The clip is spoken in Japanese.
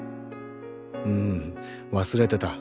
ん忘れてた。